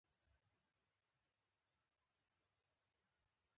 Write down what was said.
استاد د تېر او راتلونکي پل دی.